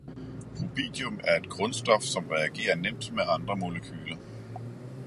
Rubidium er et grundstof, som reagerer nemt med andre molekyler.